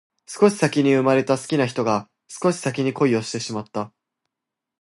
少し先に生まれた好きな人が少し先に恋をしてしまった